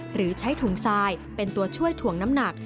หรือใช้ถุงทรายเป็นตัวช่วยถ่วงน้ำหนัก